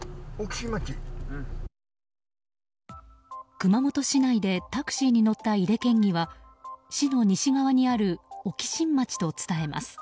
熊本市内でタクシーに乗った井手県議は市の西側にある沖新町と伝えます。